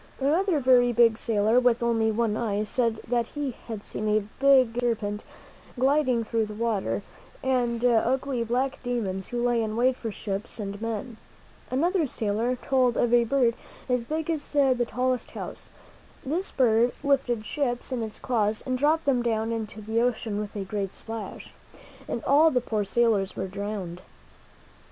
Another very big sailor, with only one eye, said that he had seen a big serpent gliding through the water, and ugly black demons who lay in wait for ships and men. Another sailor told of a bird as big as the tallest house. This bird lifted ships in its claws and dropped them down into the ocean with a great splash, and all the poor sailors were drowned.